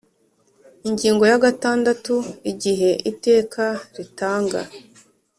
Ingingo ya gatandatu Igihe iteka ritanga